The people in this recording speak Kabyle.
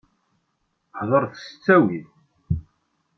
Heḍṛet s ttawil!